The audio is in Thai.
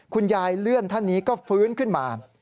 เลื่อนท่านนี้ก็ฟื้นขึ้นมา